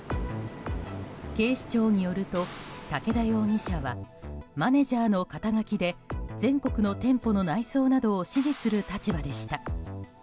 警視庁によると武田容疑者はマネジャーの肩書で全国の店舗の内装などを指示する立場でした。